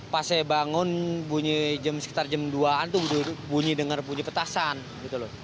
pas saya bangun bunyi sekitar jam dua an tuh bunyi dengar bunyi petasan gitu loh